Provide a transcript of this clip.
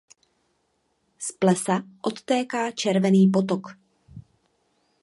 Z plesa odtéká Červený potok.